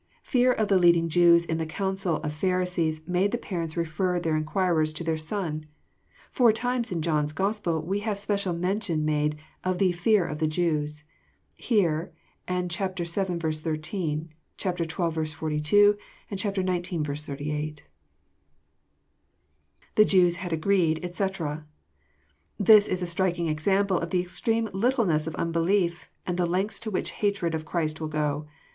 Fear of the lead ing Jews in the council of Pharisees made the parents refer their inquirers to their son. Four times in John's Gospel we have special mention made of the <*fear of the Jews." Here, and vii. 18. ; xii. 42; and xix. 38. IThe Jews h<id agreed, etc,"] This is a striking example of the extreme littleness of unbelief, and the lengths to which hatred of Christ will go.